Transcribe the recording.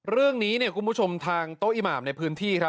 เรื่องนี้พิเศษทางโต้อิมาบในพื้นที่